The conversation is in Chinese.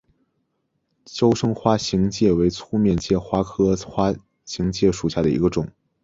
娇生花形介为粗面介科花形介属下的一个种。